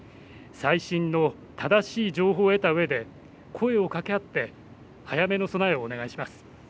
最新の正しい情報を得たうえで声をかけ合って早めの備えをお願いします。